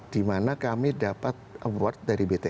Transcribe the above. dimana kami dapat award dari btn